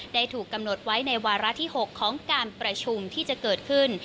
ถูกกำหนดไว้ในวาระที่๖ของการประชุมที่จะเกิดขึ้น